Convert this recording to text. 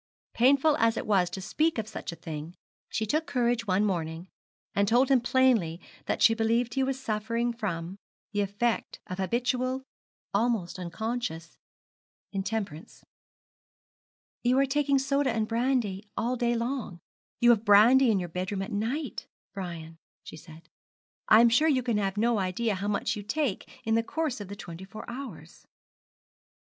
Painful as it was to speak of such a thing, she took courage one morning, and told him plainly that she believed he was suffering from, the effect of habitual almost unconscious intemperance. 'You are taking soda and brandy all day long. You have brandy in your bedroom at night, Brian,' she said. 'I am sure you can have no idea how much you take in the course of the twenty four hours.'